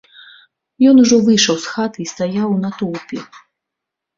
Ён ужо выйшаў з хаты і стаяў у натоўпе.